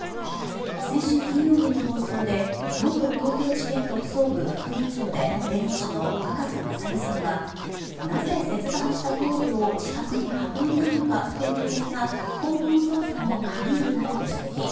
先週金曜日の放送で元東京地検特捜部副部長で弁護士の若狭勝さんはなぜ切断した頭部を自宅に運んだのかという点が今後の捜査の鍵になると指摘。